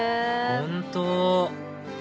本当